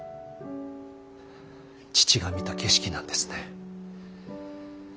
父が見た景色なんですね。